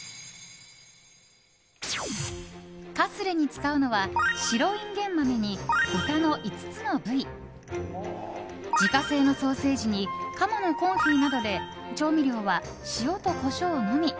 カスレに使うのは白インゲン豆に、豚の５つの部位自家製のソーセージに鴨のコンフィなどで調味料は塩とコショウのみ。